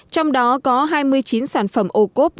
trong đó có hai mươi chín sản phẩm ô cốp